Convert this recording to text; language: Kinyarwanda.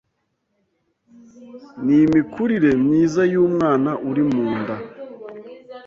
n’imikurire myiza y’umwana uri mu nda